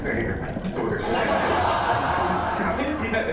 いつかね。